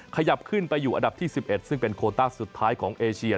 ขยับขึ้นไปอยู่อันดับที่๑๑ซึ่งเป็นโคต้าสุดท้ายของเอเชีย